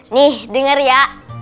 nih denger ya